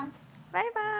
バイバーイ。